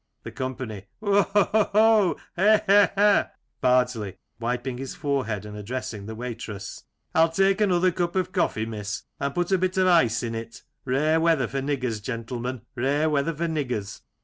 The Company : Ho ! ho 1 ho I He ! he ! he ! Bardsley {wiping his forehead and addressing the waitress)*. I'll take another cup of coffee, miss, and put a bit of ice in it Rare weather for niggers, gentlemen ; rare weather for niggers.